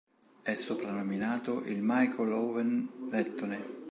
È soprannominato "il Michael Owen lettone".